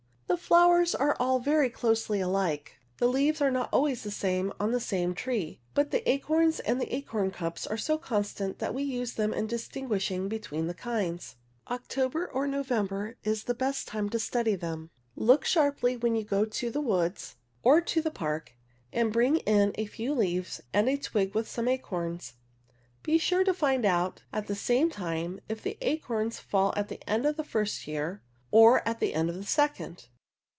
63 The flowers are all very closely alike. The leaves are not always the same on the same tree, but the acorns and acorn cups are so constant that we use them in distinguishing between the kinds. October or November is the best time to study them. Look sharply when you go to the woods or to the park, and bring in a few leaves and a twig with some acorns. Be sure to find out at the same time if the acorns fall at the end of the first year, or at V^^ the end of the second.